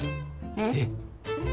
えっ？